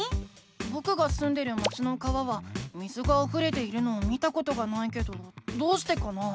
ぼくがすんでる町の川は水があふれているのを見たことがないけどどうしてかな？